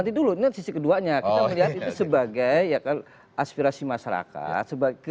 nanti dulu ini sisi keduanya kita melihat itu sebagai aspirasi masyarakat